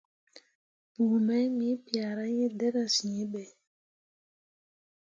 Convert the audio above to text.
Pku mai me piahra iŋ dǝra sǝ̃ǝ̃be.